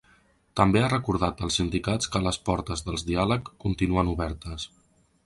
També ha recordat als sindicats que les portes del diàleg continuen obertes.